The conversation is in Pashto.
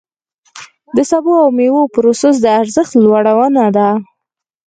د سبو او مېوو پروسس د ارزښت لوړونه ده.